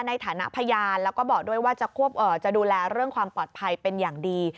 ในฐานะพยานแล้วก็บอกด้วยว่าจะดูแลเรื่องความปลอดภัยเป็นอย่างดี